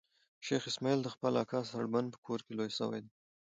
شېخ اسماعیل د خپل اکا سړبن په کور کښي لوی سوی دئ.